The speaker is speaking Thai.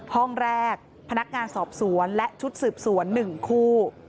ห้องแรกพนักงานสอบสวนและชุดสืบสวน๑คู่